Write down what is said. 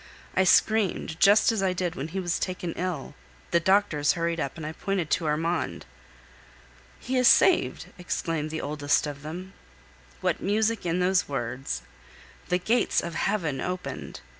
I screamed, just as I did when he was taken ill; the doctors hurried up, and I pointed to Armand. "He is saved!" exclaimed the oldest of them. What music in those words! The gates of heaven opened!